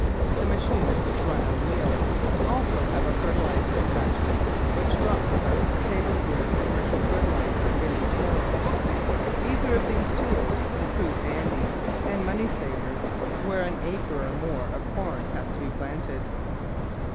The machines, which run on wheels, also have a fertiliser attachment which drops about a tablespoonful of commercial fertiliser in each hill. Either of these tools will prove handy and money savers where an acre or more of corn has to be planted.